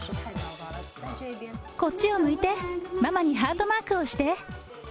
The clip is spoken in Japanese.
こっちを向いて、ママにハートマークをして。